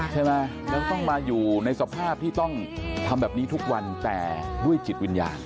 ใช่ไหมแล้วต้องมาอยู่ในสภาพที่ต้องทำแบบนี้ทุกวันแต่ด้วยจิตวิญญาณ